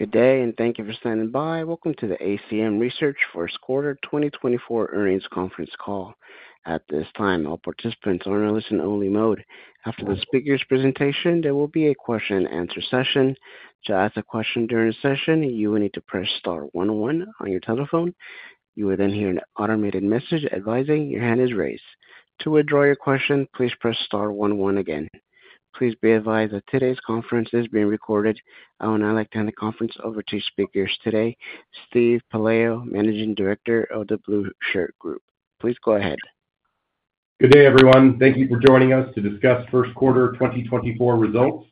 Good day, and thank you for standing by. Welcome to the ACM Research First Quarter 2024 Earnings Conference Call. At this time, all participants are in a listen-only mode. After the speaker's presentation, there will be a question-and-answer session. To ask a question during the session, you will need to press Star 101 on your telephone. You will then hear an automated message advising your hand is raised. To withdraw your question, please press Star 101 again. Please be advised that today's conference is being recorded. I will now like to hand the conference over to speakers today, Steve Pelayo, Managing Director of The Blueshirt Group. Please go ahead. Good day, everyone. Thank you for joining us to discuss First Quarter 2024 results,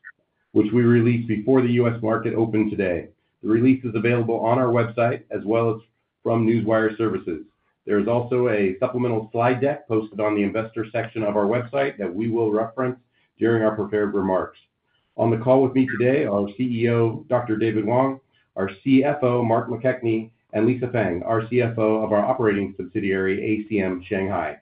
which we released before the U.S. market opened today. The release is available on our website as well as from Newswire Services. There is also a supplemental slide deck posted on the investor section of our website that we will reference during our prepared remarks. On the call with me today are CEO, Dr. David Wang, our CFO, Mark McKechnie, and Lisa Fang, our CFO of our operating subsidiary, ACM Shanghai.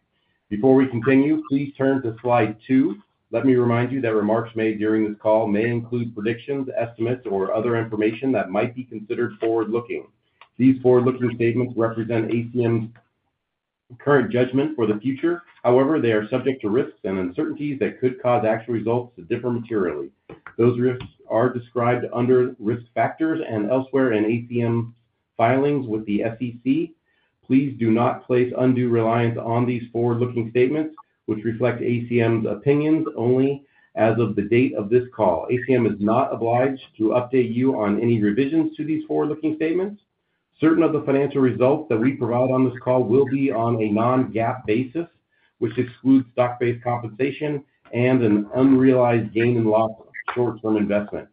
Before we continue, please turn to Slide two. Let me remind you that remarks made during this call may include predictions, estimates, or other information that might be considered forward-looking. These forward-looking statements represent ACM's current judgment for the future. However, they are subject to risks and uncertainties that could cause actual results to differ materially. Those risks are described under risk factors and elsewhere in ACM filings with the SEC. Please do not place undue reliance on these forward-looking statements, which reflect ACM's opinions only as of the date of this call. ACM is not obliged to update you on any revisions to these forward-looking statements. Certain of the financial results that we provide on this call will be on a non-GAAP basis, which excludes stock-based compensation and an unrealized gain and loss short-term investment.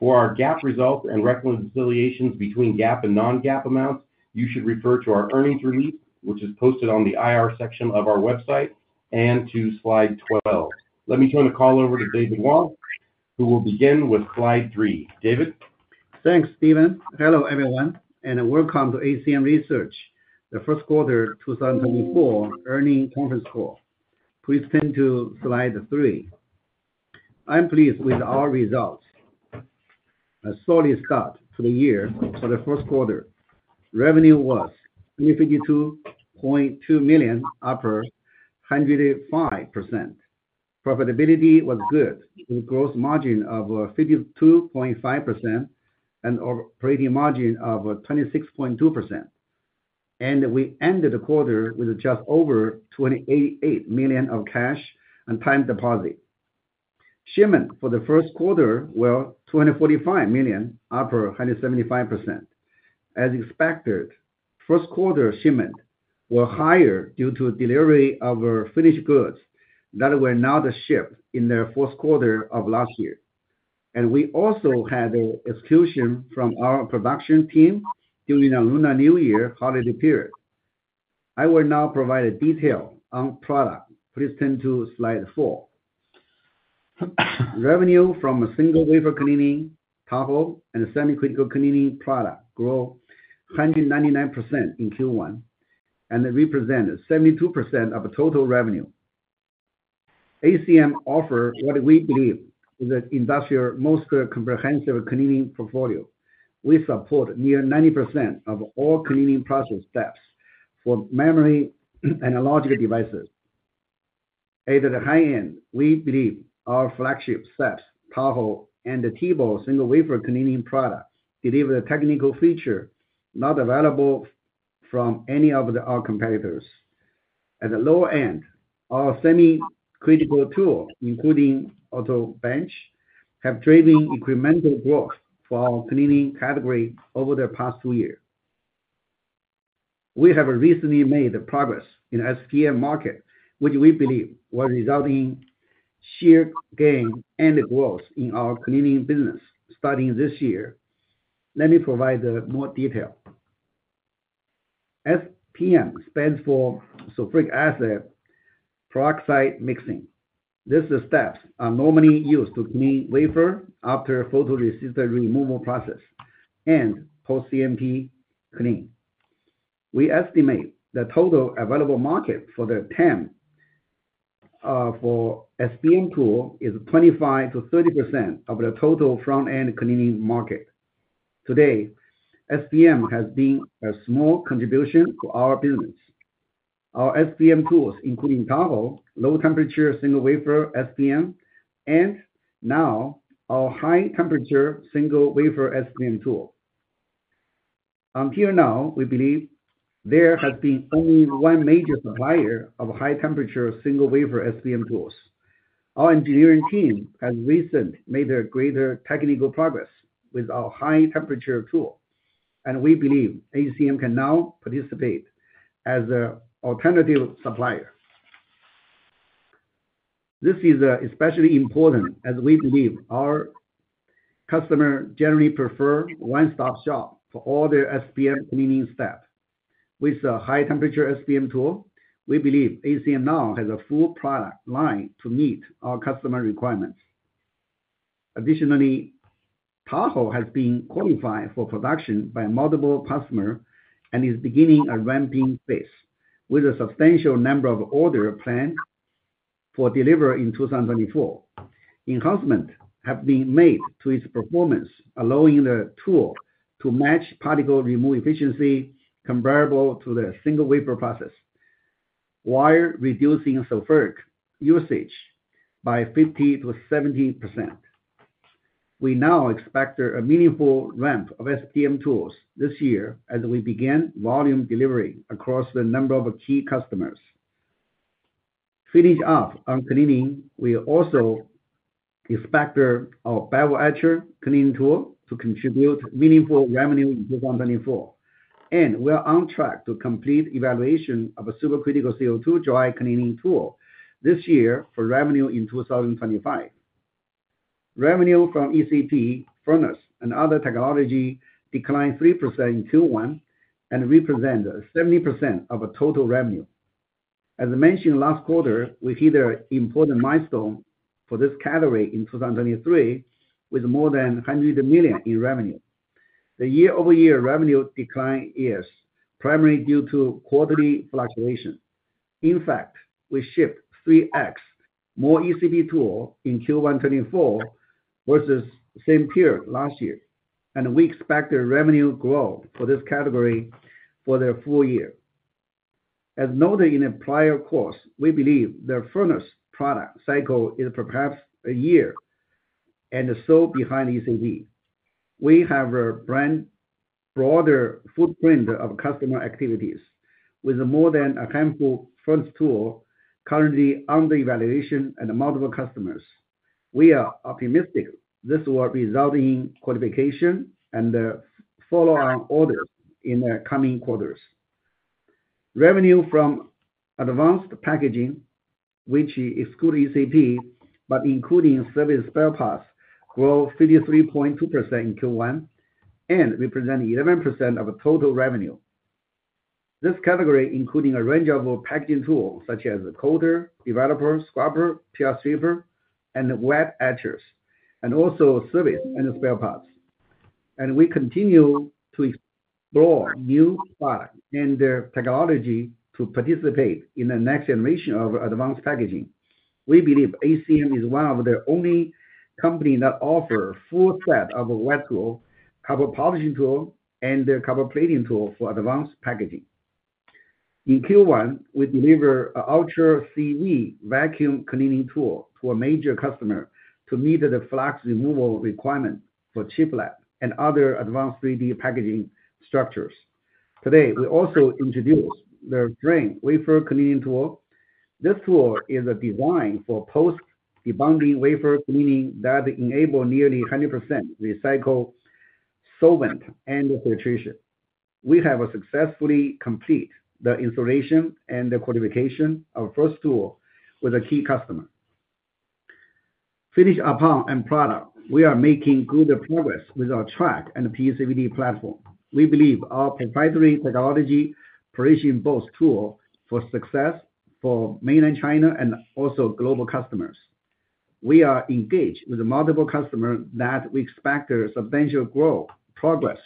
For our GAAP results and reconciliations between GAAP and non-GAAP amounts, you should refer to our earnings release, which is posted on the IR section of our website, and to Slide 12. Let me turn the call over to David Wang, who will begin with Slide three. David? Thanks, Steven. Hello, everyone, and welcome to ACM Research, the First Quarter 2024 Earnings Conference Call. Please turn to Slide three. I'm pleased with our results. A solid start to the year for the first quarter. Revenue was $252.2 million, up 105%. Profitability was good with a gross margin of 52.5% and operating margin of 26.2%. We ended the quarter with just over $288 million of cash and time deposit. Shipments for the first quarter were $245 million, up 175%. As expected, first quarter shipments were higher due to delivery of finished goods that were not shipped in the fourth quarter of last year. We also had an acceleration from our production team during the Lunar New Year holiday period. I will now provide details on products. Please turn to Slide four. Revenue from single wafer cleaning, Tahoe, and semi-critical cleaning product grew 199% in Q1 and represented 72% of total revenue. ACM offers what we believe is an industry's most comprehensive cleaning portfolio. We support near 90% of all cleaning process steps for memory analog devices. At the high end, we believe our flagship SAPS, Tahoe, and Ultra single wafer cleaning products deliver the technical features not available from any of our competitors. At the lower end, our semi-critical tools, including Auto Bench, have driven incremental growth for our cleaning category over the past two years. We have recently made progress in the SPM market, which we believe will result in share gain and growth in our cleaning business starting this year. Let me provide more detail. SPM stands for Sulfuric Acid Peroxide Mix. These steps are normally used to clean wafers after photoresist removal process and post-CMP cleaning. We estimate the total available market for the TAM for SPM tools is 25%-30% of the total front-end cleaning market. Today, SPM has been a small contribution to our business. Our SPM tools, including Tahoe, low-temperature single-wafer SPM, and now our high-temperature single-wafer SPM tool. Until now, we believe there has been only one major supplier of high-temperature single-wafer SPM tools. Our engineering team has recently made greater technical progress with our high-temperature tool, and we believe ACM can now participate as an alternative supplier. This is especially important as we believe our customers generally prefer one-stop shop for all their SPM cleaning steps. With the high-temperature SPM tool, we believe ACM now has a full product line to meet our customer requirements. Ultra C Tahoe has been qualified for production by multiple customers and is beginning a ramping pace, with a substantial number of orders planned for delivery in 2024. Enhancements have been made to its performance, allowing the tool to match particle removal efficiency comparable to the single wafer process, while reducing sulfuric usage by 50%-70%. We now expect a meaningful ramp of SPM tools this year as we begin volume delivery across the number of key customers. Finishing up on cleaning, we also expect our bevel etcher cleaning tool to contribute meaningful revenue in 2024, and we are on track to complete evaluation of a supercritical CO2 dry cleaning tool this year for revenue in 2025. Revenue from ECP furnace and other technology declined 3% in Q1 and represented 70% of total revenue. As mentioned last quarter, we hit an important milestone for this category in 2023 with more than $100 million in revenue. The year-over-year revenue decline is primarily due to quarterly fluctuation. In fact, we shipped 3x more ECP tools in Q1 2024 versus the same period last year, and we expect revenue growth for this category for the full year. As noted in a prior call, we believe the furnace product cycle is perhaps a year or so behind ECP. We have a broader footprint of customer activities, with more than a handful of furnace tools currently under evaluation and multiple customers. We are optimistic this will result in qualification and follow-on orders in the coming quarters. Revenue from advanced packaging, which excludes ECP but includes SAPS, bevel etch, grew 53.2% in Q1 and represented 11% of total revenue. This category includes a range of packaging tools such as coater, developer, scrubber, PR stripper, and wet etchers, and also service and spare parts. We continue to explore new products and technology to participate in the next generation of advanced packaging. We believe ACM is one of the only companies that offers a full set of wet tools, copper polishing tools, and copper plating tools for advanced packaging. In Q1, we delivered an Ultra C Vac vacuum cleaning tool to a major customer to meet the flux removal requirement for chiplet and other advanced 3D packaging structures. Today, we also introduced the Frame Wafer Cleaning Tool. This tool is designed for post-debonding wafer cleaning that enables nearly 100% recycled solvent and filtration. We have successfully completed the installation and the qualification of the first tool with a key customer. Finishing up on product, we are making good progress with our Track and PECVD platform. We believe our proprietary technology presents both tools for success for mainland China and also global customers. We are engaged with multiple customers that we expect substantial growth progress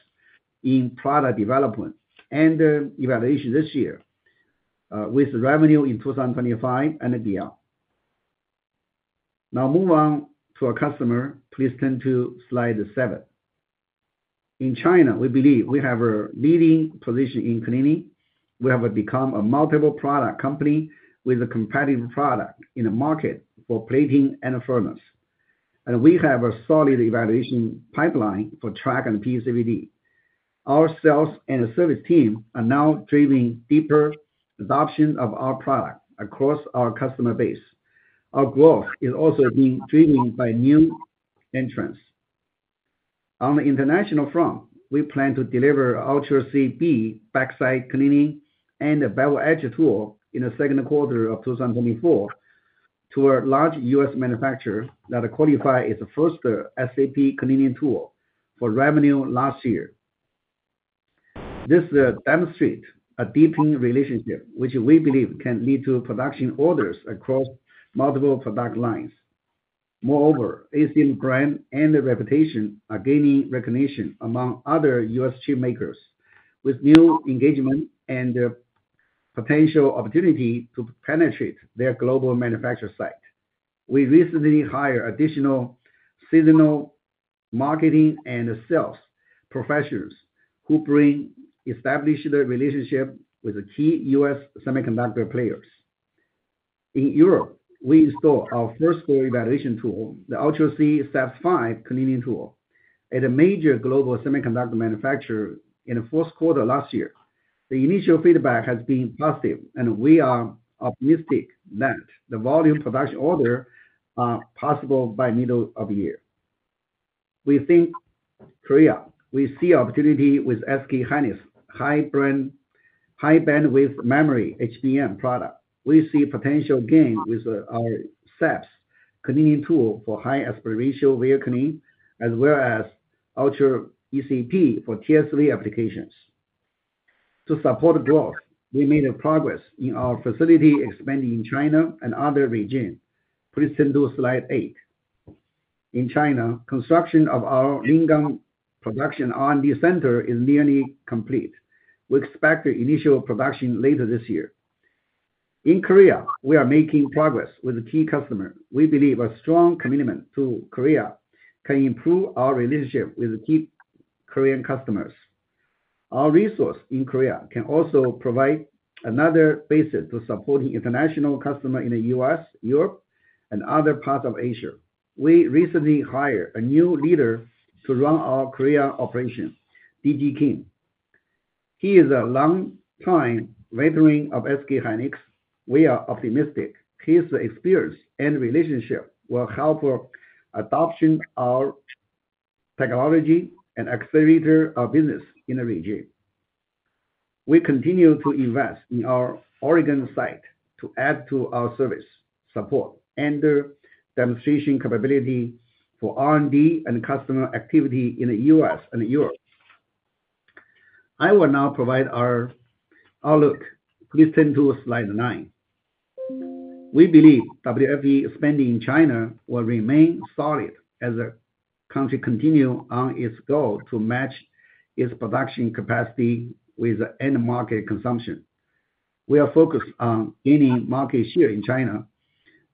in product development and evaluation this year with revenue in 2025 and beyond. Now, move on to our customer. Please turn to Slide seven. In China, we believe we have a leading position in cleaning. We have become a multiple product company with a competitive product in the market for plating and furnace, and we have a solid evaluation pipeline for Track and PECVD. Our sales and service team are now driving deeper adoption of our product across our customer base. Our growth is also being driven by new entrants. On the international front, we plan to deliver Ultra C b backside cleaning and Bevel Etcher tool in the second quarter of 2024 to a large U.S. manufacturer that qualified as the first SAP cleaning tool for revenue last year. This demonstrates a deepening relationship, which we believe can lead to production orders across multiple product lines. Moreover, ACM's brand and reputation are gaining recognition among other U.S. chipmakers, with new engagement and potential opportunity to penetrate their global manufacturer site. We recently hired additional senior marketing and sales professionals who bring established relationships with key U.S. semiconductor players. In Europe, we installed our first tool for evaluation, the Ultra C SAPS V cleaning tool, at a major global semiconductor manufacturer in the fourth quarter last year. The initial feedback has been positive, and we are optimistic that the volume production orders are possible by middle of the year. We think Korea. We see opportunity with SK Hynix high-bandwidth memory HBM product. We see potential gain with our SAPS cleaning tool for high-aspect-ratio via cleaning as well as Ultra ECP for TSV applications. To support growth, we made progress in our facility expanding in China and other regions. Please turn to Slide eight. In China, construction of our Lingang production R&D center is nearly complete. We expect initial production later this year. In Korea, we are making progress with a key customer. We believe a strong commitment to Korea can improve our relationship with key Korean customers. Our resources in Korea can also provide another basis to support international customers in the U.S., Europe, and other parts of Asia. We recently hired a new leader to run our Korea operation, DJ Kim. He is a long-time veteran of SK Hynix. We are optimistic his experience and relationship will help adopt our technology and accelerate our business in the region. We continue to invest in our Oregon site to add to our service support and demonstration capability for R&D and customer activity in the U.S. and Europe. I will now provide our outlook. Please turn to Slide 9. We believe WFE spending in China will remain solid as the country continues on its goal to match its production capacity with end-market consumption. We are focused on gaining market share in China,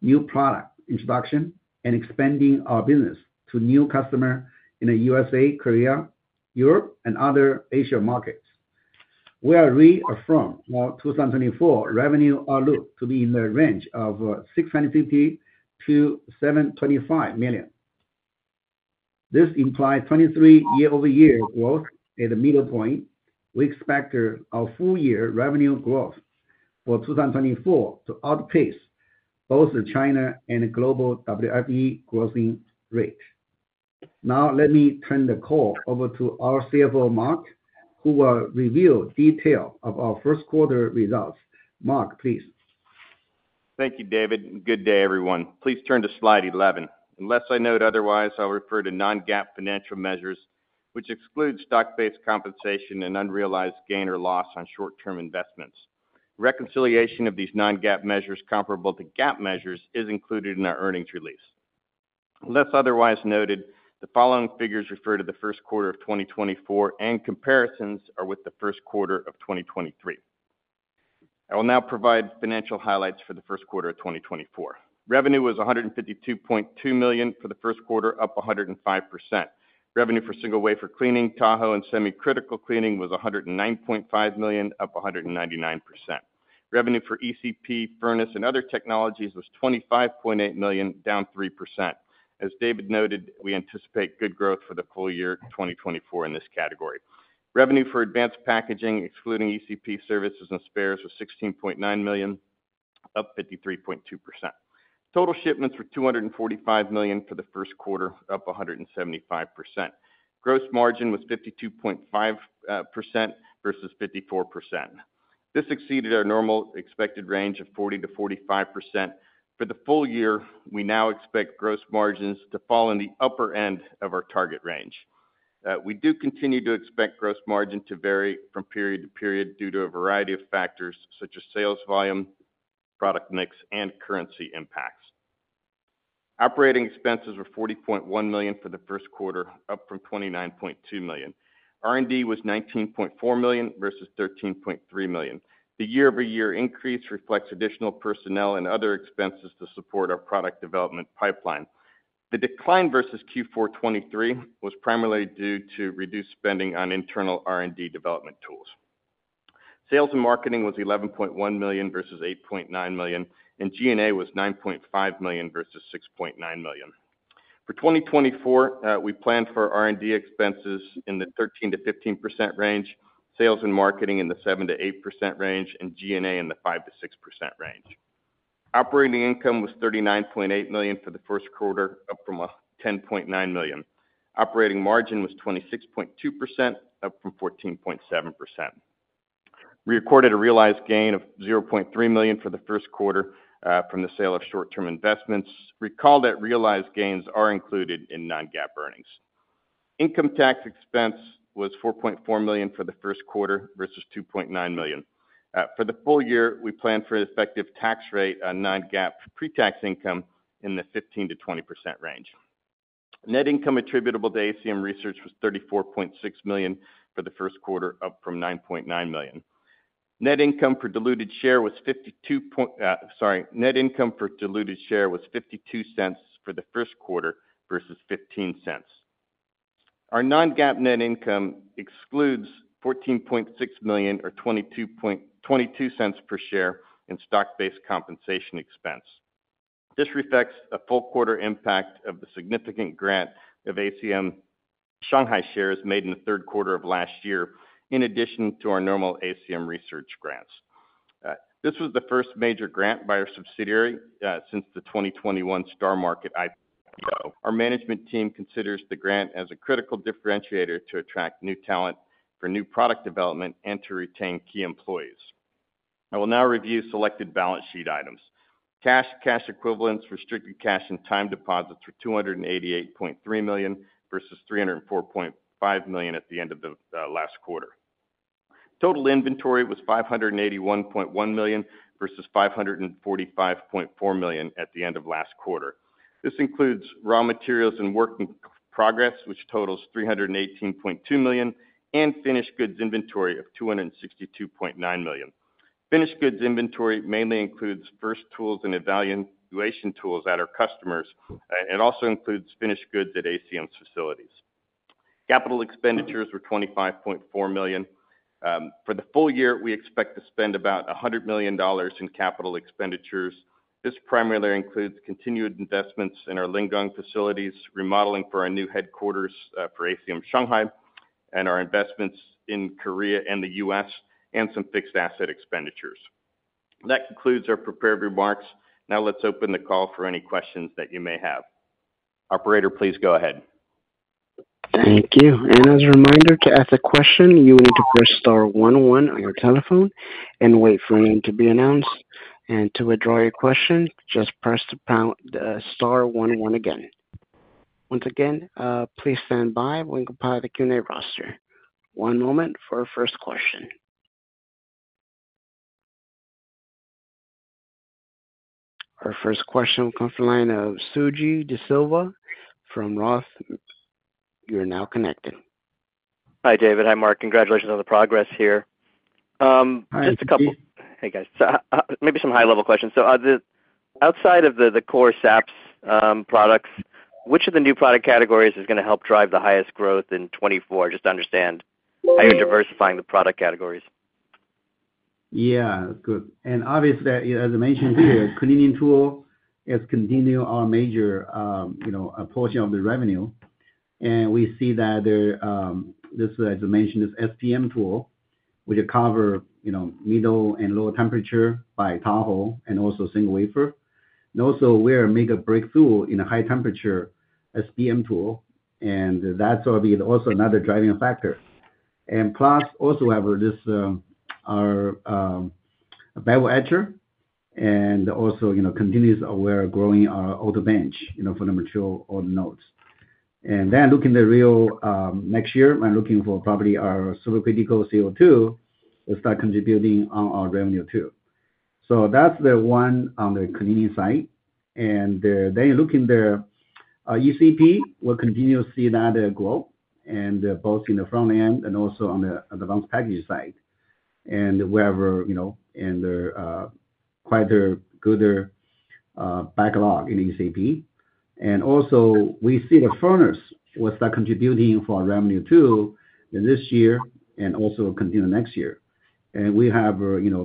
new product introduction, and expanding our business to new customers in the USA, Korea, Europe, and other Asian markets. We are reaffirming our 2024 revenue outlook to be in the range of $650 million-$725 million. This implies 23% year-over-year growth at the middle point. We expect our full-year revenue growth for 2024 to outpace both China and global WFE growth rates. Now, let me turn the call over to our CFO, Mark, who will reveal details of our first quarter results. Mark, please. Thank you, David. Good day, everyone. Please turn to Slide 11. Unless I note otherwise, I'll refer to non-GAAP financial measures, which exclude stock-based compensation and unrealized gain or loss on short-term investments. Reconciliation of these non-GAAP measures comparable to GAAP measures is included in our earnings release. Unless otherwise noted, the following figures refer to the first quarter of 2024, and comparisons are with the first quarter of 2023. I will now provide financial highlights for the first quarter of 2024. Revenue was $152.2 million for the first quarter, up 105%. Revenue for single wafer cleaning, Tahoe, and semi-critical cleaning was $109.5 million, up 199%. Revenue for ECP furnace and other technologies was $25.8 million, down 3%. As David noted, we anticipate good growth for the full year 2024 in this category. Revenue for advanced packaging, excluding ECP services and spares, was $16.9 million, up 53.2%. Total shipments were $245 million for the first quarter, up 175%. Gross margin was 52.5% versus 54%. This exceeded our normal expected range of 40%-45%. For the full year, we now expect gross margins to fall in the upper end of our target range. We do continue to expect gross margin to vary from period to period due to a variety of factors such as sales volume, product mix, and currency impacts. Operating expenses were $40.1 million for the first quarter, up from $29.2 million. R&D was $19.4 million versus $13.3 million. The year-over-year increase reflects additional personnel and other expenses to support our product development pipeline. The decline versus Q4 2023 was primarily due to reduced spending on internal R&D development tools. Sales and marketing was $11.1 million versus $8.9 million, and G&A was $9.5 million versus $6.9 million. For 2024, we plan for R&D expenses in the 13%-15% range, sales and marketing in the 7%-8% range, and G&A in the 5%-6% range. Operating income was $39.8 million for the first quarter, up from $10.9 million. Operating margin was 26.2%, up from 14.7%. We recorded a realized gain of $0.3 million for the first quarter from the sale of short-term investments. Recall that realized gains are included in non-GAAP earnings. Income tax expense was $4.4 million for the first quarter versus $2.9 million. For the full year, we plan for an effective tax rate on non-GAAP pre-tax income in the 15%-20% range. Net income attributable to ACM Research was $34.6 million for the first quarter, up from $9.9 million. Net income for diluted share was $0.52, sorry, net income for diluted share was $0.52 for the first quarter versus $0.15. Our non-GAAP net income excludes $14.6 million or $0.22 per share in stock-based compensation expense. This reflects a full-quarter impact of the significant grant of ACM Shanghai shares made in the third quarter of last year, in addition to our normal ACM Research grants. This was the first major grant by our subsidiary since the 2021 Star Market IPO. Our management team considers the grant as a critical differentiator to attract new talent for new product development and to retain key employees. I will now review selected balance sheet items. Cash, cash equivalents, restricted cash, and time deposits were $288.3 million versus $304.5 million at the end of the last quarter. Total inventory was $581.1 million versus $545.4 million at the end of last quarter. This includes raw materials and work in progress, which totals $318.2 million, and finished goods inventory of $262.9 million. Finished goods inventory mainly includes first tools and evaluation tools at our customers, and it also includes finished goods at ACM's facilities. Capital expenditures were $25.4 million. For the full year, we expect to spend about $100 million in capital expenditures. This primarily includes continued investments in our Lingang facilities, remodeling for our new headquarters for ACM Shanghai, and our investments in Korea and the U.S., and some fixed asset expenditures. That concludes our prepared remarks. Now, let's open the call for any questions that you may have. Operator, please go ahead. Thank you. And as a reminder, to ask a question, you will need to press star 11 on your telephone and wait for a name to be announced. And to withdraw your question, just press the star 11 again. Once again, please stand by. We'll compile the Q&A roster. One moment for our first question. Our first question will come from the line of Suji Desilva from Roth. You're now connected. Hi, David. Hi, Mark. Congratulations on the progress here. Just a couple—Hi, David. Hey, guys. So maybe some high-level questions. So outside of the core SAPS products, which of the new product categories is going to help drive the highest growth in 2024? Just to understand how you're diversifying the product categories. Yeah. Good. And obviously, as I mentioned here, cleaning tool has continued our major portion of the revenue. We see that there—this, as I mentioned, is SPM tool, which covers middle and lower temperature by Tahoe and also single wafer. We are also making a breakthrough in high-temperature SPM tool, and that's going to be also another driving factor. Plus, also we have our Bevel Etcher, and also continues where we're growing our AutoBench for the mature nodes. Then looking at the real next year, we're looking for probably our supercritical CO2 will start contributing on our revenue too. So that's the one on the cleaning side. Then looking at the ECP, we'll continue to see that growth, both in the front end and also on the advanced packaging side. We have quite a good backlog in ECP. Also, we see the furnaces will start contributing for our revenue too this year and also continue next year. We have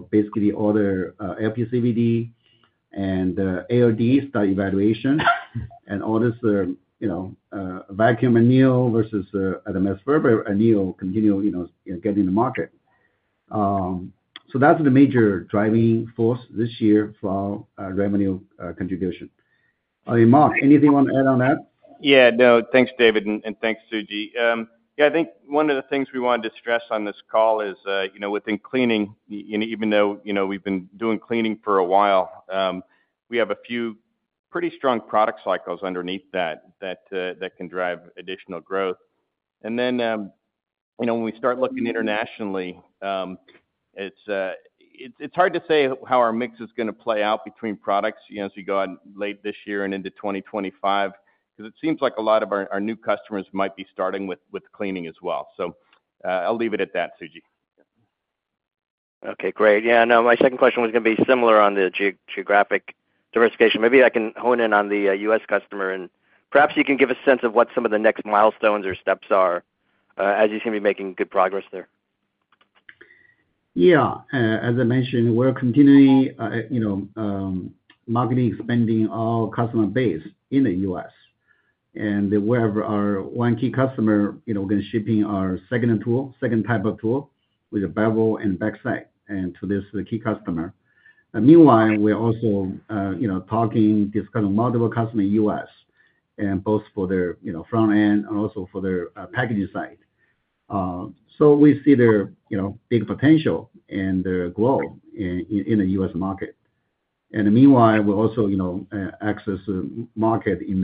basically all the LPCVD and ALD start evaluation, and all this vacuum anneal versus atmospheric furnace anneal continue getting in the market. So that's the major driving force this year for our revenue contribution. Mark, anything you want to add on that? Yeah. No. Thanks, David. And thanks, Suji. Yeah. I think one of the things we wanted to stress on this call is within cleaning, even though we've been doing cleaning for a while, we have a few pretty strong product cycles underneath that that can drive additional growth. And then when we start looking internationally, it's hard to say how our mix is going to play out between products as we go on late this year and into 2025 because it seems like a lot of our new customers might be starting with cleaning as well. So I'll leave it at that, Suji. Okay. Great. Yeah. No. My second question was going to be similar on the geographic diversification. Maybe I can hone in on the U.S. customer, and perhaps you can give a sense of what some of the next milestones or steps are as you seem to be making good progress there. Yeah. As I mentioned, we're continually marketing and expanding our customer base in the U.S. And we have our one key customer who's going to be shipping our second tool, second type of tool, which is Bevel and Backside, to this key customer. Meanwhile, we're also talking, discussing multiple customers in the U.S., both for their front end and also for their packaging side. So we see their big potential and their growth in the U.S. market. And meanwhile, we also access the market in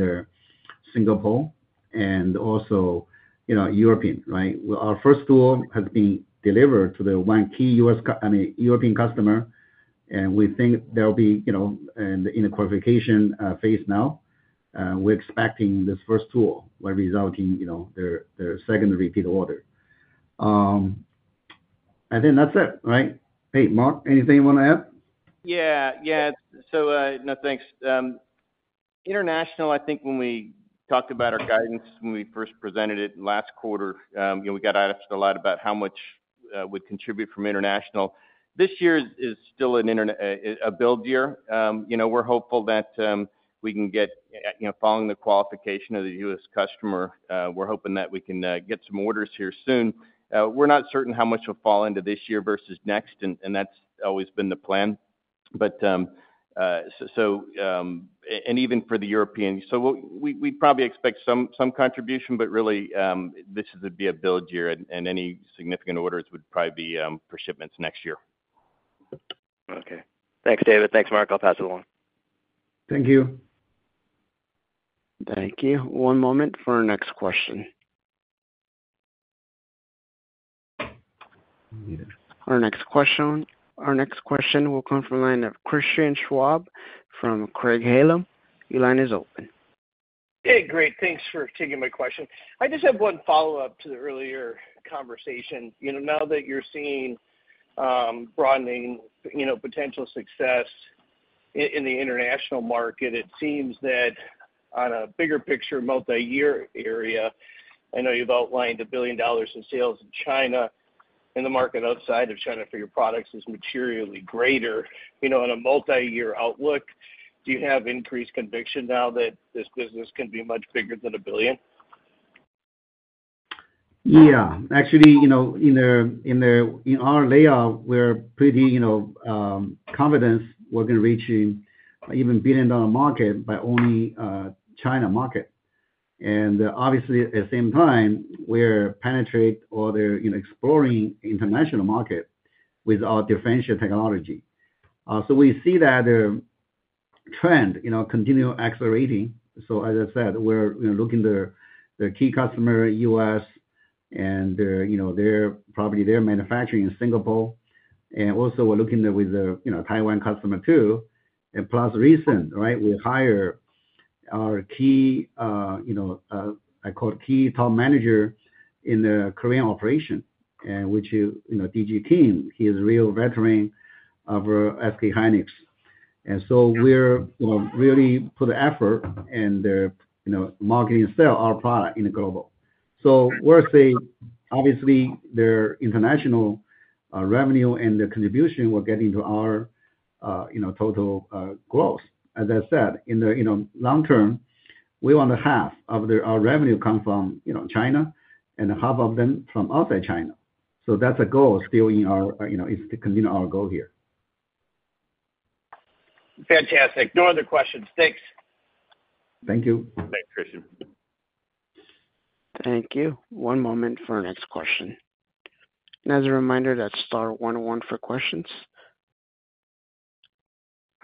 Singapore and also Europe, right? Our first tool has been delivered to the one key U.S. I mean, European customer, and we think there'll be in the qualification phase now. We're expecting this first tool will result in their second repeat order. I think that's it, right? Hey, Mark, anything you want to add? Yeah. Yeah. So no, thanks. International, I think when we talked about our guidance when we first presented it last quarter, we got asked a lot about how much we'd contribute from international. This year is still a build year. We're hopeful that we can get following the qualification of the U.S. customer, we're hoping that we can get some orders here soon. We're not certain how much will fall into this year versus next, and that's always been the plan. And even for the European, so we'd probably expect some contribution, but really, this would be a build year, and any significant orders would probably be for shipments next year. Okay. Thanks, David. Thanks, Mark. I'll pass it along. Thank you. Thank you. One moment for our next question. Our next question will come from the line of Christian Schwab from Craig-Hallum. Your line is open. Hey. Great. Thanks for taking my question. I just have one follow-up to the earlier conversation. Now that you're seeing broadening potential success in the international market, it seems that on a bigger picture, multiyear area, I know you've outlined $1 billion in sales in China, and the market outside of China for your products is materially greater. On a multiyear outlook, do you have increased conviction now that this business can be much bigger than $1 billion? Yeah. Actually, in our layout, we're pretty confident we're going to reach even a billion-dollar market by only the China market. And obviously, at the same time, we penetrate or explore the international market with our differential technology. So we see that the trend continues accelerating. So as I said, we're looking at the key customer, U.S., and probably their manufacturing in Singapore. And also, we're looking with the Taiwan customer too. And plus recent, right, we hired our key—I call it key top manager—in the Korean operation, which is DJ Kim. He's a real veteran of SK Hynix. And so we're really putting effort and marketing and selling our product globally. So we'll say, obviously, their international revenue and their contribution will get into our total growth. As I said, in the long term, we want half of our revenue to come from China and half of them from outside China. So that's a goal still in our—it's to continue our goal here. Fantastic. No other questions. Thanks. Thank you. Thanks, Christian. Thank you. One moment for our next question. As a reminder, that's star 11 for questions.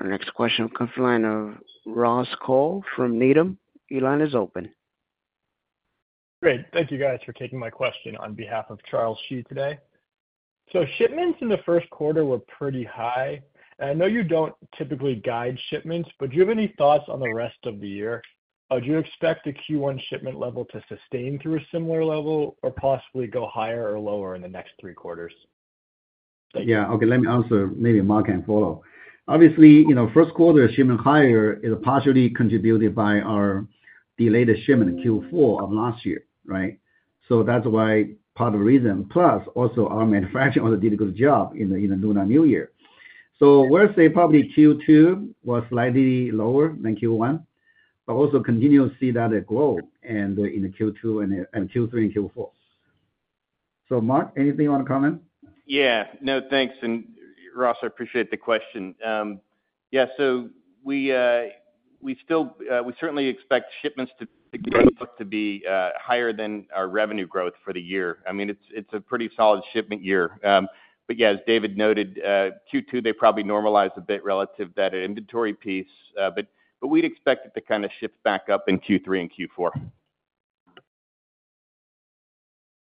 Our next question will come from the line of Ross Cole from Needham. Your line is open. Great. Thank you, guys, for taking my question on behalf of Charles Shi today. So shipments in the first quarter were pretty high. And I know you don't typically guide shipments, but do you have any thoughts on the rest of the year? Do you expect the Q1 shipment level to sustain through a similar level or possibly go higher or lower in the next three quarters? Yeah. Okay. Let me answer. Maybe Mark can follow. Obviously, first quarter shipment higher is partially contributed by our delayed shipment in Q4 of last year, right? So that's part of the reason. Plus, also, our manufacturing also did a good job in the Lunar New Year. So we'll say probably Q2 was slightly lower than Q1, but also continue to see that growth in Q2 and Q3 and Q4. So Mark, anything you want to comment? Yeah. No. Thanks. And Ross, I appreciate the question. Yeah. So we certainly expect shipments to grow to be higher than our revenue growth for the year. I mean, it's a pretty solid shipment year. But yeah, as David noted, Q2, they probably normalized a bit relative to that inventory piece, but we'd expect it to kind of shift back up in Q3 and Q4.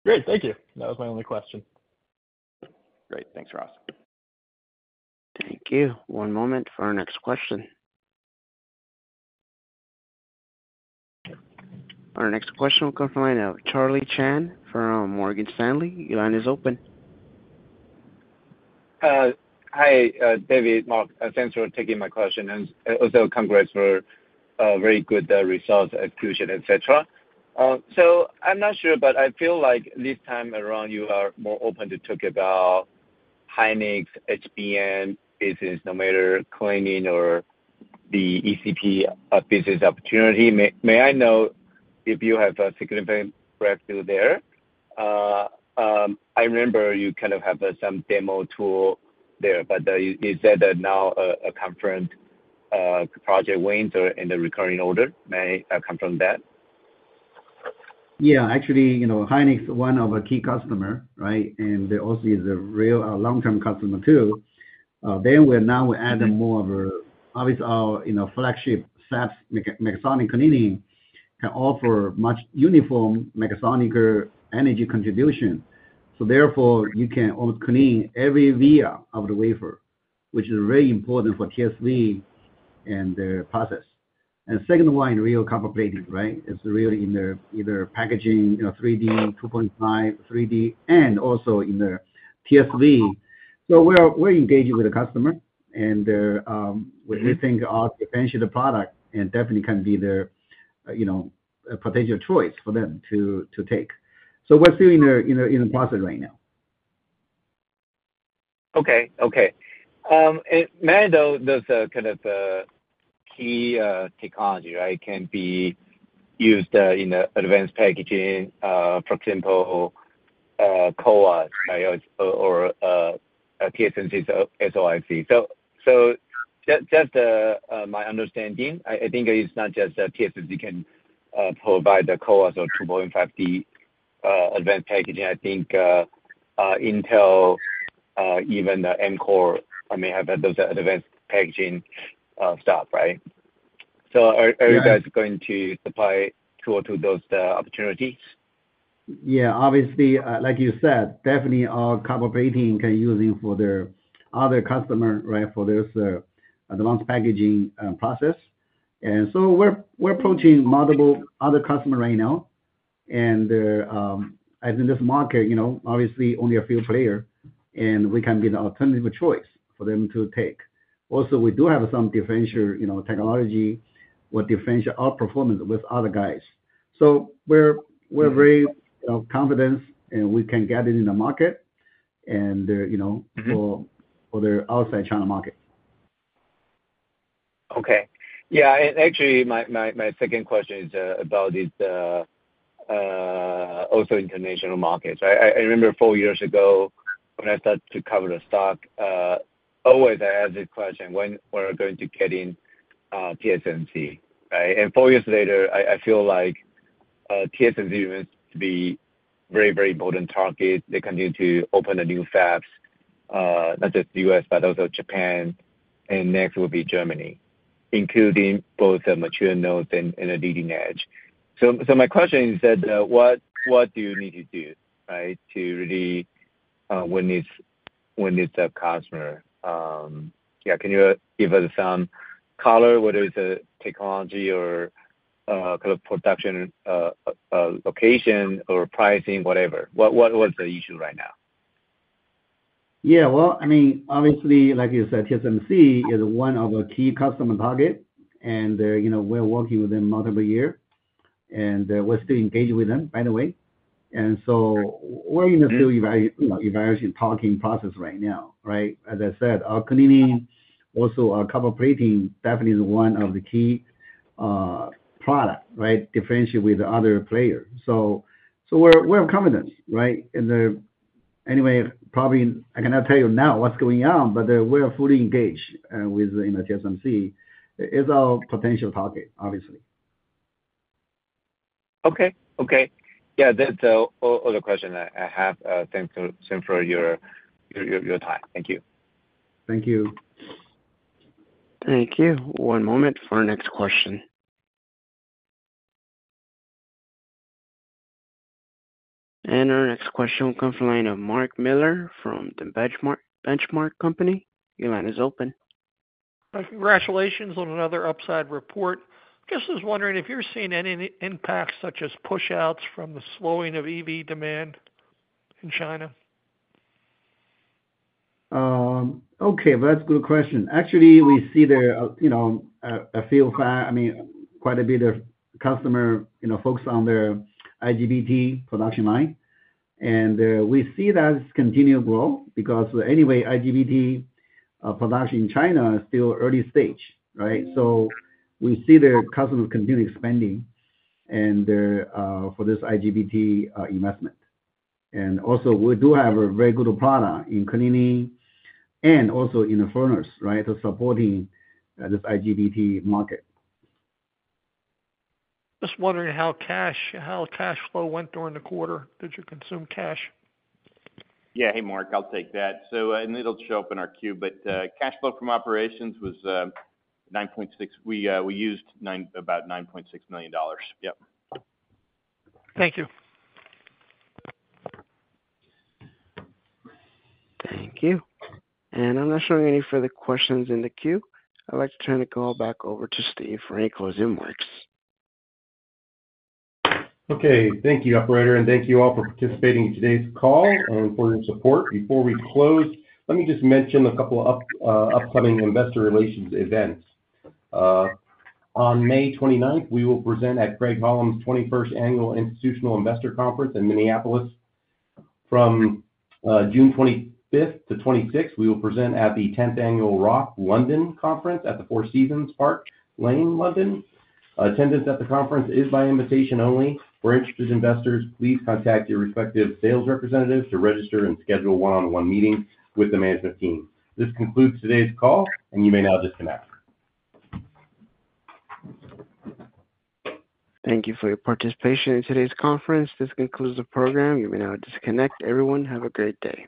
Great. Thank you. That was my only question. Great. Thanks, Ross. Thank you. One moment for our next question. Our next question will come from the line of Charlie Chan from Morgan Stanley. Your line is open. Hi, David. Mark, thanks for taking my question. And also, congrats for very good results at Fusion, etc. So I'm not sure, but I feel like this time around, you are more open to talk about SK Hynix, HBM, business nowadays, cleaning, or the ECP business opportunity. May I know if you have a significant breakthrough there? I remember you kind of had some demo tool there, but is that now a customer project wins or in the recurring order? May I confirm that? Yeah. Actually, SK Hynix is one of our key customers, right? And they also are a real long-term customer too. Then now we add more of a obviously, our flagship SAPS megasonic cleaning can offer much uniform megasonical energy contribution. So therefore, you can almost clean every via of the wafer, which is very important for TSV and their process. And the second one is real copper plating, right? It's really in their packaging, 3D, 2.5D, 3D, and also in their TSV. So we're engaging with the customer, and we think our differential product definitely can be their potential choice for them to take. So we're still in the process right now. Okay. Okay. May I know those kind of key technologies, right, can be used in advanced packaging, for example, CoWoS, right, or TSMC's SoIC? So just my understanding, I think it's not just TSMC can provide the CoWoS or 2.5D advanced packaging. I think Intel, even Amkor, may have those advanced packaging stuff, right? So are you guys going to supply tools to those opportunities? Yeah. Obviously, like you said, definitely, our copper plating can be used for their other customer, right, for their advanced packaging process. And so we're approaching multiple other customers right now. And I think this market, obviously, only a few players, and we can be the alternative choice for them to take. Also, we do have some differential technology or differential outperformance with other guys. So we're very confident we can get it in the market and for their outside China market. Okay. Yeah. And actually, my second question is about also international markets, right? I remember four years ago when I started to cover the stock, always I asked this question, "When are we going to get in TSMC?" Right? And four years later, I feel like TSMC remains to be a very, very important target. They continue to open new fabs, not just the U.S., but also Japan, and next will be Germany, including both the mature nodes and the leading edge. So my question is that what do you need to do, right, to really win this customer? Yeah. Can you give us some color, whether it's a technology or kind of production location or pricing, whatever? What's the issue right now? Yeah. Well, I mean, obviously, like you said, TSMC is one of our key customer targets, and we're working with them multiple years. And we're still engaged with them, by the way. And so we're in a still evaluation, talking process right now, right? As I said, our cleaning, also our copper plating, definitely is one of the key products, right, differentiating with the other players. So we have confidence, right? And anyway, probably I cannot tell you now what's going on, but we're fully engaged with TSMC. It's our potential target, obviously. Okay. Okay. Yeah. That's the only question I have. Thanks for your time. Thank you. Thank you. Thank you. One moment for our next question. And our next question will come from the line of Mark Miller from The Benchmark Company. Your line is open. Congratulations on another upside report. I was just wondering if you're seeing any impacts such as pushouts from the slowing of EV demand in China. Okay. That's a good question. Actually, we see there a few. I mean, quite a bit of customer focus on their IGBT production line. And we see that's continuing to grow because anyway, IGBT production in China is still early stage, right? So we see their customers continue expanding for this IGBT investment. And also, we do have a very good product in cleaning and also in the furnaces, right, supporting this IGBT market. Just wondering how cash flow went during the quarter. Did you consume cash? Yeah. Hey, Mark. I'll take that. And it'll show up in our queue, but cash flow from operations was 9.6. We used about $9.6 million. Yep. Thank you. Thank you. And I'm not showing any further questions in the queue. I'd like to turn the call back over to Steve for any closing remarks. Okay. Thank you, operator, and thank you all for participating in today's call and for your support. Before we close, let me just mention a couple of upcoming investor relations events. On May 29th, we will present at Craig-Hallum's 21st Annual Institutional Investor Conference in Minneapolis. From June 25th to 26th, we will present at the 10th Annual Roth London Conference at the Four Seasons Park Lane, London. Attendance at the conference is by invitation only. For interested investors, please contact your respective sales representatives to register and schedule one-on-one meetings with the management team. This concludes today's call, and you may now disconnect. Thank you for your participation in today's conference. This concludes the program. You may now disconnect. Everyone, have a great day.